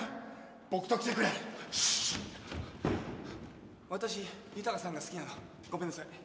僕と来てくれ私ゆたかさんが好きなのごめんなさい